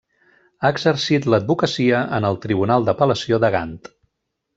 Ha exercit l'advocacia en el Tribunal d'Apel·lació de Gant.